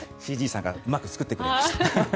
ＣＧさんがうまく作ってくれました。